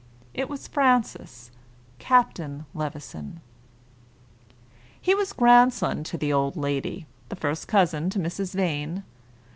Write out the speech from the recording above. It was Francis, Captain Levison. He was grandson to the old lady, and first cousin to Mrs. Vane.